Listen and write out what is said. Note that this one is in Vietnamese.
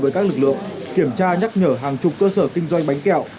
với các lực lượng kiểm tra nhắc nhở hàng chục cơ sở kinh doanh bánh kẹo